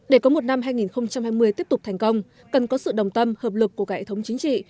để có một năm hai nghìn hai mươi tiếp tục thành công cần có sự đồng tâm hợp lực của cả hệ thống chính trị